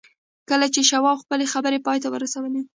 کله چې شواب خپلې خبرې پای ته ورسولې.